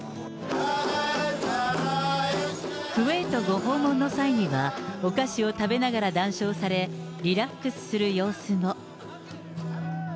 クウェートご訪問の際には、お菓子を食べながら談笑され、リラックスする様子も。